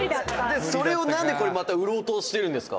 「それを、なんでまた売ろうとしてるんですか？」